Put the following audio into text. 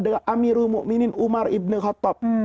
bahkan itu adalah amirul mu'minin umar ibn khattab